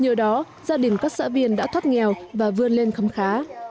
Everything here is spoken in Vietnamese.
nhờ đó gia đình các xã viên đã thoát nghèo và vươn lên khấm khá